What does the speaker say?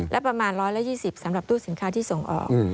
และประมาณ๑๒๐สำหรับตู้สินค้าที่ส่งออก